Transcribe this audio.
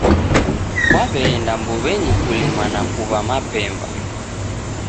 Kwaw'eenda mbuw'enyi kulima na kuw'a mapemba.